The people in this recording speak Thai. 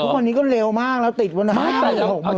ทุกวันนี้ก็เร็วมากแล้วติดวันนั้น